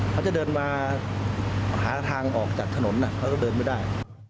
เขาจะเดินมาหาทางออกจากถนนเขาก็เดินไม่ได้